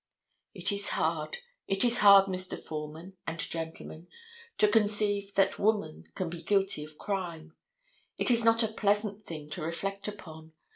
It is hard, it [Illustration: HOSEA M. KNOWLTON.] is hard, Mr. Foreman and gentlemen, to conceive that woman can be guilty of crime. It is not a pleasant thing to reflect upon.